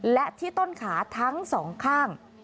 และที่ต้นขาทั้งสองข้าง